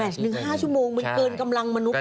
แมชนึง๕ชั่วโมงมันเกินกำลังมนุษย์ป่ะพี่